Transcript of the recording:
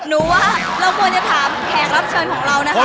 หนูว่าเราควรจะถามแขกรับเชิญของเรานะคะ